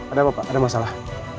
ada apa pak ada masalah